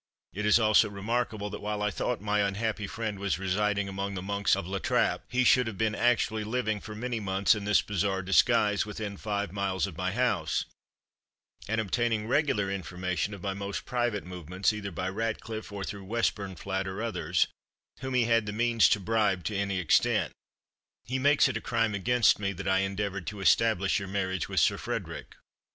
It is also remarkable, that while I thought my unhappy friend was residing among the Monks of La Trappe, he should have been actually living, for many months, in this bizarre disguise, within five miles of my house, and obtaining regular information of my most private movements, either by Ratcliffe, or through Westburnflat or others, whom he had the means to bribe to any extent. He makes it a crime against me that I endeavoured to establish your marriage with Sir Frederick.